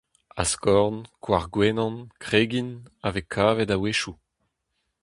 Askorn, koar gwenan, kregin… a vez kavet a-wechoù.